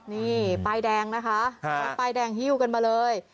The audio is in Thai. นี่ป้ายแดงนะคะป้ายแดงฮิ้วกันมาเลย